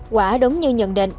quả đúng như nhận định